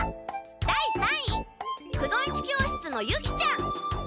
第三位くの一教室のユキちゃん！